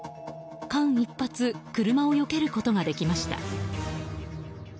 間一髪車をよけることができました。